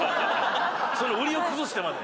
その売りを崩してまで。